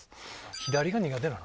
左が苦手なの？